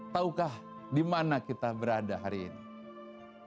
taukah di mana kita berada hari ini